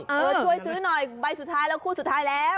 เออช่วยซื้อหน่อยใบสุดท้ายแล้วคู่สุดท้ายแล้ว